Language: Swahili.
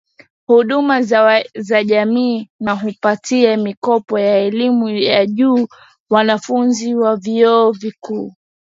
Huduma za jamii na kuwapatia mikopo ya elimu ya juu wanafunzi wa Vyuo Vikuu